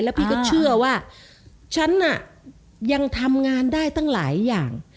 พี่ก็เชื่อว่าฉันน่ะยังทำงานได้ตั้งหลายอย่าง